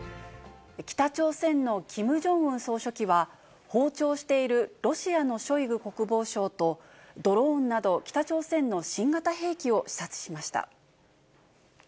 北朝鮮のキム・ジョンウン総書記は、訪朝しているロシアのショイグ国防相と、ドローンなど北朝鮮の新型兵器を視察しました。